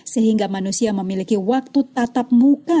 sehingga manusia memiliki waktu tatap muka